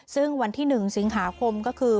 ซึ่งวันที่๑สิงหาคมก็คือ